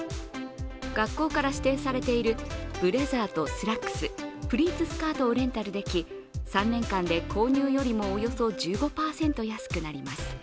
学校から指定されているブレザーとスラックス、プリーツスカートをレンタルでき３年間で購入よりもおよそ１５％安くなります。